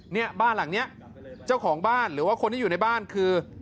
เนี่ยบ้านหลังนี้เจ้าของบ้านหรือว่าคนที่อยู่ในบ้านคือ